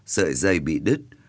sợi dây bị đứt